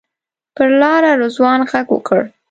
پر لاره رضوان غږ وکړ.